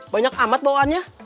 banyak amat bawaannya